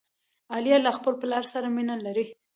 عالیه له خپل پلار سره مینه لري.